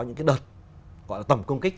những đợt tầm công kích